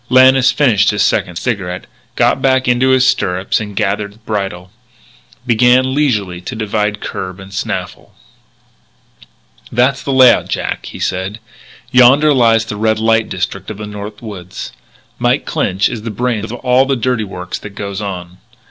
Lannis finished his second cigarette, got back into his stirrups and, gathering bridle, began leisurely to divide curb and snaffle. "That's the layout, Jack," he said. "Yonder lies the Red Light district of the North Woods. Mike Clinch is the brains of all the dirty work that goes on.